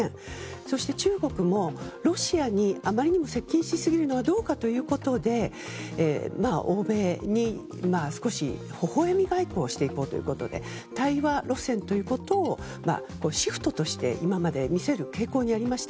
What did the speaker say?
そして、中国もロシアにあまりにも接近しすぎるのはどうかということで欧米に少しほほ笑み外交をしていこうということで対話路線ということをシフトとして今まで見せる傾向にありました。